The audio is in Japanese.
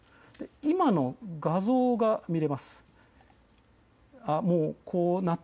今の画像が見れます。